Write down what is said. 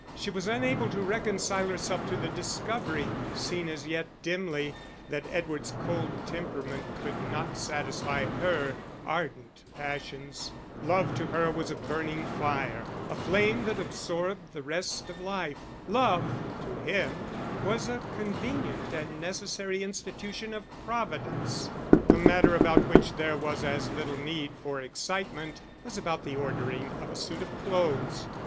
She was unable to reconcile herself to the discovery, seen as yet dimly, that Edward's cold temperament could not satisfy her ardent passions: love to her was a burning fire, a flame that absorbed the rest of life; love to him was a convenient and necessary institution of Providence, a matter about which there was as little need for excitement as about the ordering of a suit of clothes.